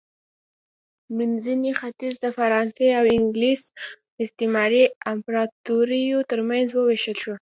منځنی ختیځ د فرانسوي او انګلیس استعماري امپراتوریو ترمنځ ووېشل شو.